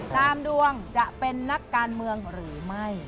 ดวงจะเป็นนักการเมืองหรือไม่